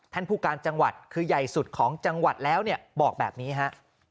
ผู้การจังหวัดคือใหญ่สุดของจังหวัดแล้วเนี่ยบอกแบบนี้ฮะ